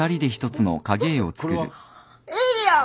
エイリアン！